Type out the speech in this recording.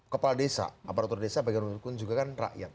kepala desa aparatur desa bagaimana menurut anda juga kan rakyat